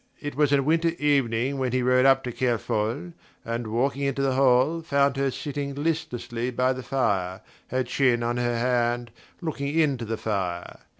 It was a winter evening when he rode up to Kerfol and, walking into the hall, found her sitting listlessly by the fire, her chin on her hand, looking into the fire.